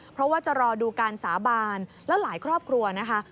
เพราะว่าจะรอดูการสาบานแล้วหลายครอบครัวนะคะ